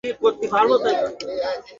কিন্তু আপনিও তো ডাক্তার, তাই না?